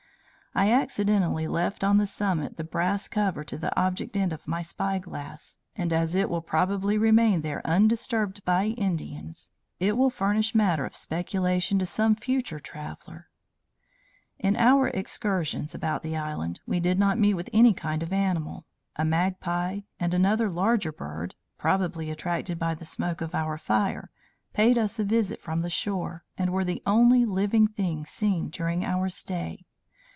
"I accidentally left on the summit the brass cover to the object end of my spyglass and as it will probably remain there undisturbed by Indians, it will furnish matter of speculation to some future traveller. In our excursions about the island, we did not meet with any kind of animal: a magpie, and another larger bird, probably attracted by the smoke of our fire, paid us a visit from the shore, and were the only living things seen during our stay.